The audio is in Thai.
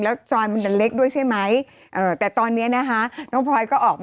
แล้วซอยมันดันเล็กด้วยใช่ไหมเอ่อแต่ตอนนี้นะคะน้องพลอยก็ออกมา